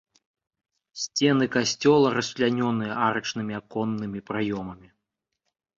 Сцены касцёла расчлянёныя арачнымі аконнымі праёмамі.